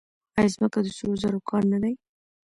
آیا ځمکه د سرو زرو کان نه دی؟